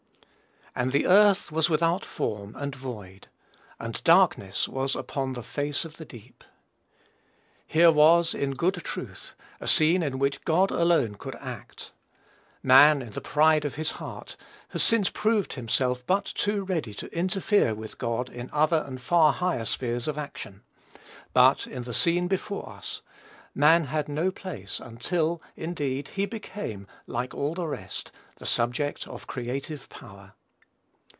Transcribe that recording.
"And the earth was without form, and void; and darkness was upon the face of the deep." Here was, in good truth, a scene in which God alone could act. Man, in the pride of his heart, has since proved himself but too ready to interfere with God in other and far higher spheres of action; but, in the scene before us, man had no place until, indeed, he became, like all the rest, the subject of creative power.